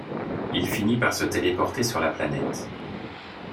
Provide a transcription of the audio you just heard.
Il finit par se téléporter sur la planète.